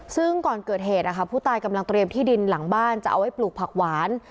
ซึ่งก่อนเกิดเหตุผู้ตายกำลังเตรียมที่ดินหลังบ้านจะเอาไว้ปลูกผักหวาน